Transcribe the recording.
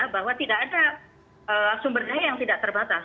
bahwa tidak ada sumber daya yang tidak terbatas